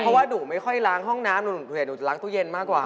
เพราะว่าหนูไม่ค่อยล้างห้องน้ำหนูเผื่อหนูจะล้างตู้เย็นมากกว่า